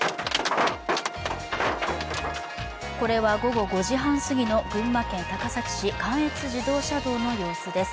これは午後５時半すぎの群馬県高崎市、関越自動車道の様子です。